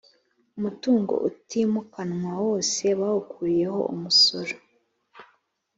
umutungo utimukanwa wose bawukuriyeho umusoro